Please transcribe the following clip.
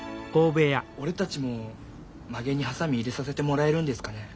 俺たちもまげにハサミ入れさせてもらえるんですかね？